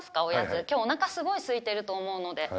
今日お腹すごいすいてると思うので。